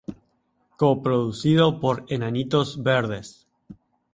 Co-producido por Enanitos Verdes.